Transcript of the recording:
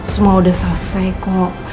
semua udah selesai kok